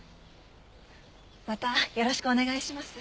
またよろしくお願いします。